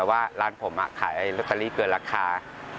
ว่าร้านผมขายลอตเตอรี่เกินราคา